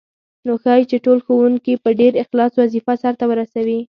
نو ښايي چې ټول ښوونکي په ډېر اخلاص وظیفه سرته ورسوي.